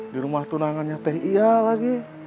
di rumah tunangannya teh iya lagi